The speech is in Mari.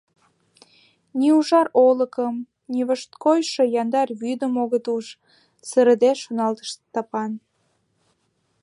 Ни ужар олыкым, ни вошткойшо яндар вӱдым огыт уж», — сырыде шоналтыш Стапан.